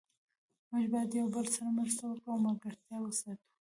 موږ باید یو بل سره مرسته وکړو او ملګرتیا وساتو